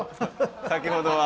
先ほどは。